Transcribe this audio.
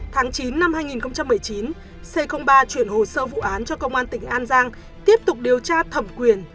tháng chín năm hai nghìn một mươi chín c ba chuyển hồ sơ vụ án cho công an tỉnh an giang tiếp tục điều tra thẩm quyền